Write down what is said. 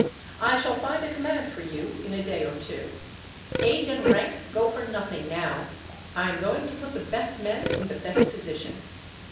I shall find a command for you, in a day or two. Age and rank go for nothing now. I am going to put the best men in the best position.